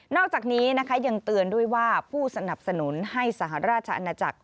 อกจากนี้นะคะยังเตือนด้วยว่าผู้สนับสนุนให้สหราชอาณาจักร